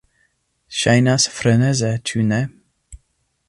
Ŝajnas freneze, ĉu ne?